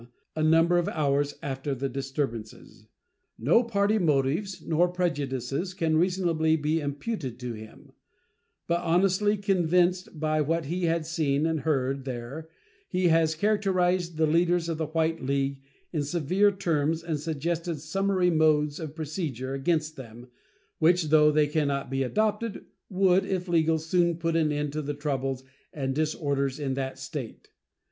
a number of hours after the disturbances. No party motives nor prejudices can reasonably be imputed to him; but honestly convinced by what he has seen and heard there, he has characterized the leaders of the White Leagues in severe terms and suggested summary modes of procedure against them, which, though they can not be adopted, would, if legal, soon put an end to the troubles and disorders in that State.